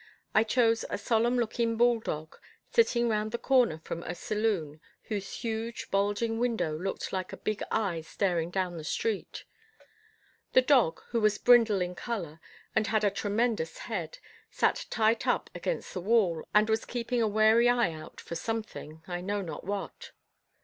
I chose a solemn looking bulldog, sitting round the corner from a saloon whose huge, bulging window looked like a big eye staring down the street. The dog, who was brindle in colour, and had a tremendous head, sat tight up against the wall, and was keeping a wary eye out for something, I know not what.